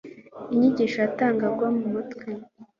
Inyigisho yatangwaga mu mutwe,